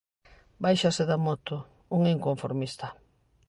Báixase da moto: un inconformista.